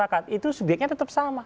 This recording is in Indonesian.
masyarakat itu subyeknya tetap sama